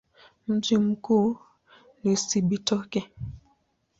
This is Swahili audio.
Mji mkuu ni Cibitoke.